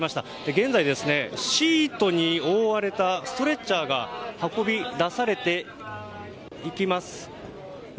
現在、シートに覆われたストレッチャーが運び出されていきます。